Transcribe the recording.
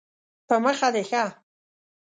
په مخه دې ښه